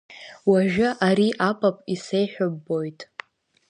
Уажәы ари апап исеиҳәо ббоит.